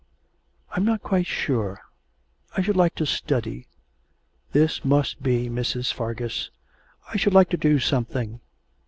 'I'm not quite sure. I should like to study.' 'This must be Mrs. Fargus.' 'I should like to do something.'